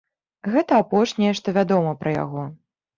Гэта апошняе, што вядома пра яго.